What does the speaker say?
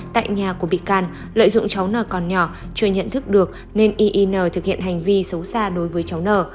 tại nhà của bị can lợi dụng cháu nợ còn nhỏ chưa nhận thức được nên yn thực hiện hành vi xấu xa đối với cháu n